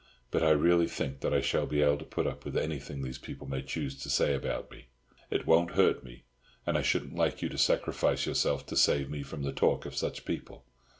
But I really think that I shall be able to put up with anything these people may choose to say about me. It won't hurt me, and I shouldn't like you to sacrifice yourself to save me from the talk of such people.